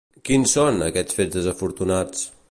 Quins són, aquests fets desafortunats?